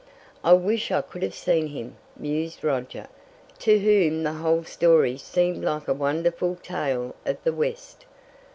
"I wish I could have seen him," mused Roger, to whom the whole story seemed like a wonderful tale of the West.